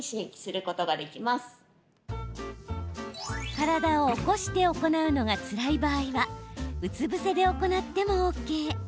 体を起こして行うのがつらい場合はうつ伏せで行ってもＯＫ。